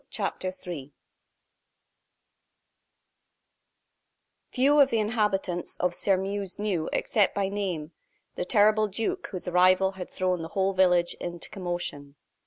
CHAPTER III Few of the inhabitants of Sairmeuse knew, except by name, the terrible duke whose arrival had thrown the whole village into commotion.